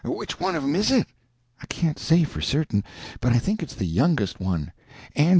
Which one of 'em is it?" "I can't say for certain, but I think it's the youngest one Anjy."